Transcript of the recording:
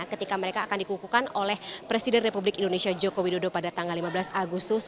ketika mereka akan dikukuhkan oleh presiden republik indonesia joko widodo pada tanggal lima belas agustus